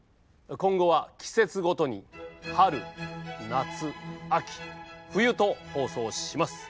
今後は季節ごとに春夏秋冬と放送します。